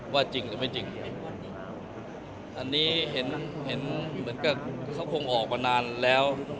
จริงหรือไม่จริงอันนี้เห็นเห็นเหมือนกับเขาคงออกมานานแล้ว